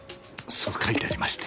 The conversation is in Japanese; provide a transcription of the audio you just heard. そう書いてありまして。